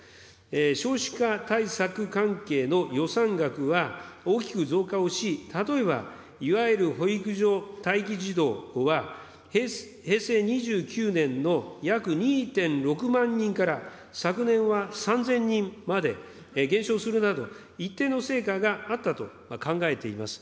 少子化対策関係の予算額は大きく増加をし、例えば、いわゆる保育所待機児童は、平成２９年の約２．６万人から、昨年は３０００人まで減少するなど、一定の成果があったと考えています。